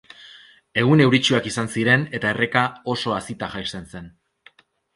Egun euritsuak izan ziren eta erreka oso hazita jaisten zen.